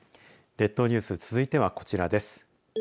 列島ニュース続いては、こちらです。